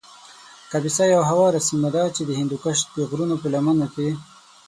کاپیسا یو هواره سیمه ده چې د هندوکش د غرو په لمنو کې